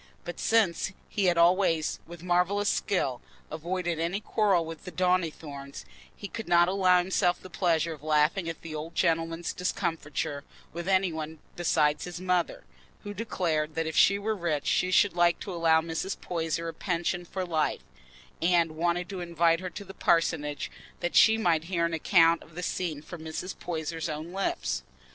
But since he had always, with marvellous skill, avoided any quarrel with Mr. Donnithorne, he could not allow himself the pleasure of laughing at the old gentleman's discomfiture with any one besides his mother, who declared that if she were rich she should like to allow Mrs. Poyser a pension for life, and wanted to invite her to the parsonage that she might hear an account of the scene from Mrs. Poyser's own lips.